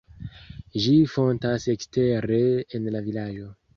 Ĝi fontas ekstere en la vilaĝo.